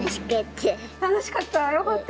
楽しかった？